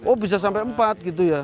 oh bisa sampai empat gitu ya